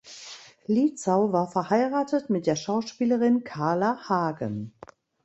Lietzau war verheiratet mit der Schauspielerin Carla Hagen.